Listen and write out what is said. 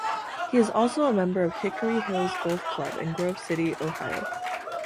He is also a member of Hickory Hills Golf Club in Grove City, Ohio.